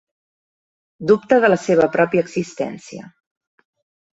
Dubta de la seva pròpia existència.